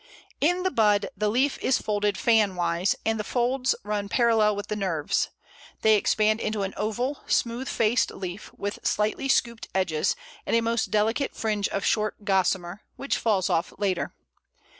In the bud the leaf is folded fan wise, and the folds run parallel with the nerves. They expand into an oval, smooth faced leaf, with slightly scooped edges, and a most delicate fringe of short gossamer, which falls off later.